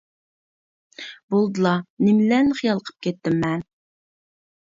بولدىلا نېمىلەرنى خىيال قىلىپ كەتتىم مەن.